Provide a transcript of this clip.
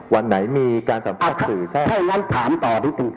วันไหนมีการสัมภัฏสื่อแทบ